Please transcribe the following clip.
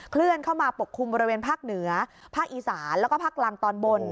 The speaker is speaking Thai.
เคลื่อนเข้ามาปกคลุมบริเวณภาคเหนือภาคอีสานแล้วก็ภาคกลางตอนบน